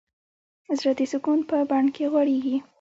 زړه د سکون په بڼ کې غوړېږي.